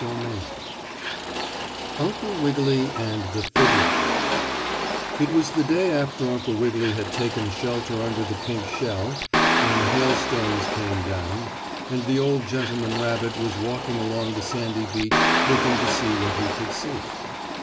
STORY XIII UNCLE WIGGILY AND THE FIDDLER It was the day after Uncle Wiggily had taken shelter under the pink shell when the hailstones came down, and the old gentleman rabbit was walking along the sandy beach, looking to see what he could see.